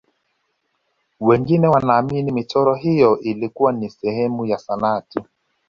wengine wanaamini michoro hiyo ilikuwa ni sehemu ya sanaa tu